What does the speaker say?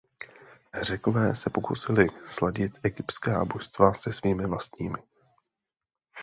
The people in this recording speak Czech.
Řekové se pokusili sladit egyptská božstva se svými vlastními.